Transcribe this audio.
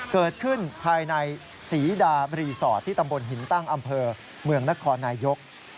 เกิดขึ้นภายในศรีดารีสอร์ทที่ตำบลหินตั้งอำเภอเมืองนครนายก